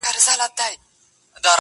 زه غسل کوم کالي اغوندم